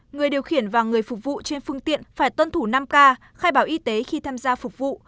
người điều khiển và người phục vụ trên phương tiện phải tuân thủ năm k khai báo y tế khi tham gia phục vụ